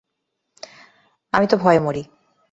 আমি তো ভয়ে মরি!